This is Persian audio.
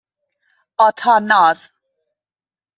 آتاناز